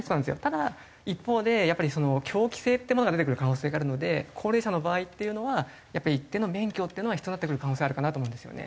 ただ一方でやっぱり凶器性っていうものが出てくる可能性があるので高齢者の場合っていうのは一定の免許っていうのは必要になってくる可能性あるかなと思うんですよね。